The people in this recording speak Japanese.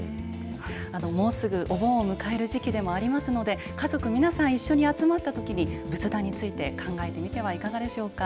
もうすぐお盆を迎える時期でもありますので、家族皆さん一緒に集まったときに、仏壇について考えてみてはいかがでしょうか。